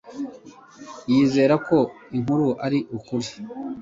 Yizera ko inkuru ari ukuri